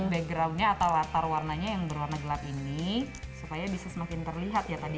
backgroundnya atau latar warnanya yang berwarna gelap ini supaya bisa semakin terlihat ya tadi